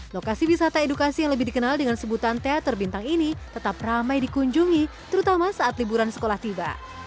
lokasi wisata edukasi yang lebih dikenal dengan sebutan teater bintang ini tetap ramai dikunjungi terutama saat liburan sekolah tiba